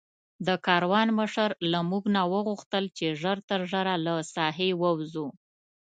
د کاروان مشر له موږ نه وغوښتل چې ژر تر ژره له ساحې ووځو.